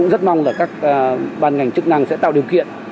rất mong là các ban ngành chức năng sẽ tạo điều kiện